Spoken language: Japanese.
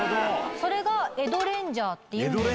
それが江戸レンジャーっていう。